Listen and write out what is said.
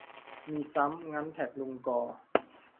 มีซ้ำ งั้นแท็กลุงก่อ